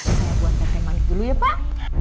saya buatkan teh manis dulu ya pak